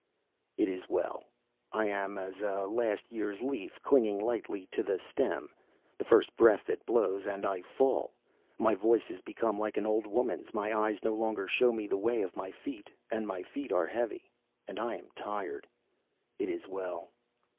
"It is well. I am as a last year's leaf, clinging lightly to the stem. The first breath that blows, and I fall. My voice is become like an old woman's. My eyes no longer show me the way of my feet, and my feet are heavy, and I am tired. It is well."